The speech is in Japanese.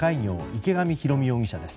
池上ひろみ容疑者です。